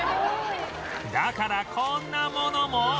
だからこんなものも